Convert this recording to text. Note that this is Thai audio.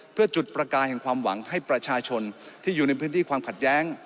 เพื่อจุดประกายแห่งความหวังให้ประชาชนที่อยู่ในพื้นที่ความขัดแย้ง